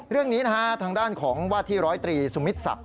เรื่องนี้นะฮะทางด้านของว่าที่ร้อยตรีสุมิตศักดิ